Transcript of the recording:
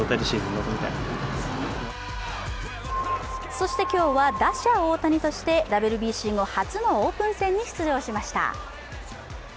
そして、今日は打者・大谷としてＷＢＣ後、初のオープン戦に出場しました。